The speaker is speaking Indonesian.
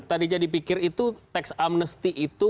tadi jadi pikir itu tax amnesty itu